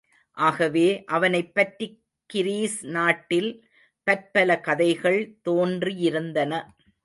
ஆகவே, அவனைப்பற்றிக் கிரீஸ் நாட்டில் பற்பல, கதைகள் தோன்றியிருந்தன.